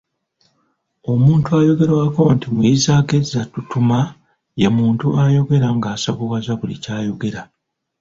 Omuntu ayogerwako nti Muyizzaagezza ttutuma ye muntu ayogera ng’asavuwaza buli kyayogera.